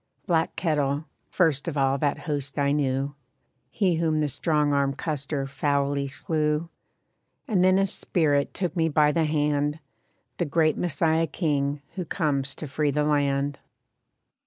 Black Kettle, first of all that host I knew, He whom the strong armed Custer foully slew. And then a spirit took me by the hand, The Great Messiah King who comes to free the land.